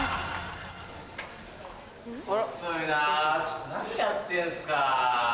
遅いなぁちょっと何やってんすか。